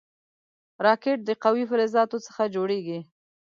راکټ د قوي فلزاتو څخه جوړېږي